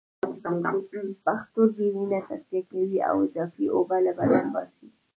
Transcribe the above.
پښتورګي وینه تصفیه کوي او اضافی اوبه له بدن باسي